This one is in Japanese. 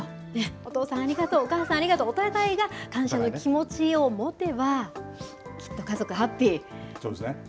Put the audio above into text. お父さんありがとう、お母さんありがとう、お互いが感謝の気持ちを持てば、そうですね。